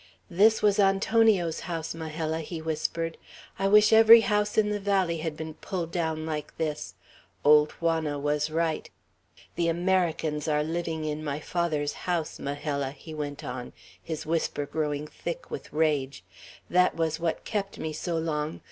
"This was Antonio's house, Majella," he whispered. "I wish every house in the valley had been pulled down like this. Old Juana was right. The Americans are living in my father's house, Majella," he went on, his whisper growing thick with rage. "That was what kept me so long.